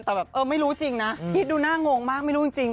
แต่แบบเออไม่รู้จริงนะคิดดูน่างงมากไม่รู้จริง